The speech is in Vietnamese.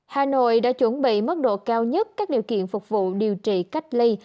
hà nội đã chuẩn bị mức độ cao nhất các điều kiện phục vụ điều trị cách ly